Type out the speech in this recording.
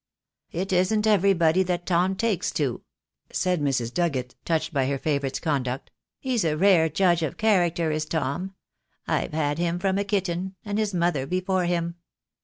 "It isn't everybody that Tom takes to," said Mrs. Duggett, touched by her favourite's conduct. "He's a rare judge of character, is Tom. I've had him from a kitten, and his mother before him.